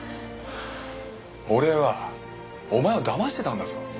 俺はお前をだましてたんだぞ？